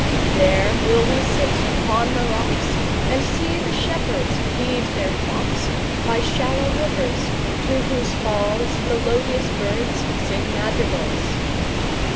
And we will sit upon the rocks, Seeing the shepherds feed their flocks, By shallow rivers to whose falls Melodious birds sing madrigals.